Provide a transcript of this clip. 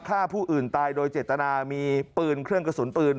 ฆ่าผู้อื่นตายโดยเจตนามีปืนเครื่องกระสุนปืน